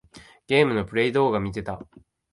ゲームのプレイ動画みてた。